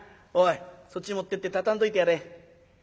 おいそっち持ってって畳んどいてやれ。